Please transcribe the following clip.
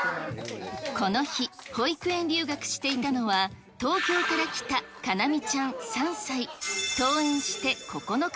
この日、保育園留学していたのは、東京から来たかなみちゃん３歳。